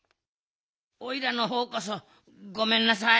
おいらのほうこそごめんなさい。